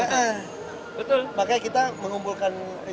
donasi kemarin betul makanya kita mengumpulkan itu ya donasi ya